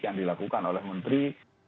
yang dilakukan oleh menteri